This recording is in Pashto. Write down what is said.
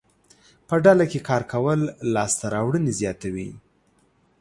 په ډله کې کار کول لاسته راوړنې زیاتوي.